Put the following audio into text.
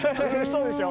そうでしょ。